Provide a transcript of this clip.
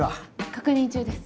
確認中です。